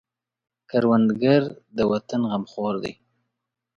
کروندګر د وطن غمخور دی